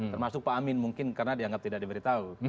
termasuk pak amin mungkin karena dianggap tidak diberitahu